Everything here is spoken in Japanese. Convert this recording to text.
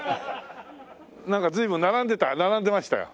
なんか随分並んでた並んでましたよ。